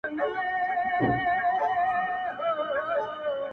زموږ کاروان ته د هنر سپيني ډېوې سه,